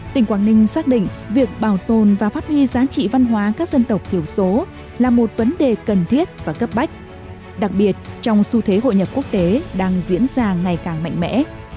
tỉnh quảng ninh xác định việc bảo tồn và phát huy giá trị văn hóa các dân tộc thiểu số là một vấn đề cần thiết và cấp bách đặc biệt trong xu thế hội nhập quốc tế đang diễn ra ngày càng mạnh mẽ